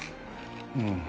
うん。